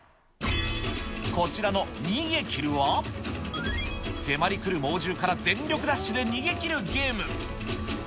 こちらのニゲキルは、迫りくる猛獣から全力ダッシュで逃げ切るゲーム。